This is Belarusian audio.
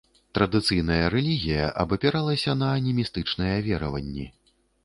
Традыцыйная рэлігія абапіралася на анімістычныя вераванні.